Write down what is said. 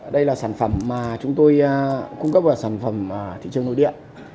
đây là sản phẩm mà chúng tôi cung cấp vào sản phẩm thị trường nội điện